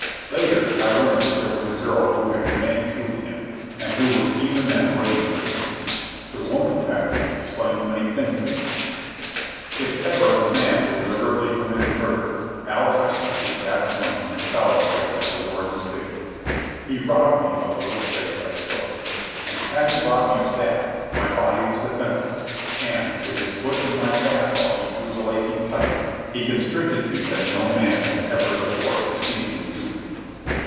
Later, I learned that there was a girl who had remained true to him, and who was even then waiting for him. The woman factor explains many things of men. If ever a man deliberately committed murder, Al Hutchins did that morning in solitary at the Warden's bidding. He robbed me of the little space I stole. And, having robbed me of that, my body was defenceless, and, with his foot in my back while he drew the lacing light, he constricted me as no man had ever before succeeded in doing.